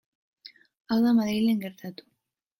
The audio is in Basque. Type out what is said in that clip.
Hau ez da Madrilen gertatu.